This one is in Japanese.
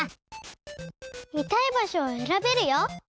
見たいばしょをえらべるよ！